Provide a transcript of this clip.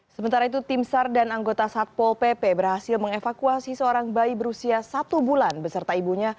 sementara itu tim sar dan anggota satpol pp berhasil mengevakuasi seorang bayi berusia satu bulan beserta ibunya